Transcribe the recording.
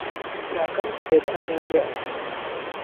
براکەم دەبێتە ئەندازیار.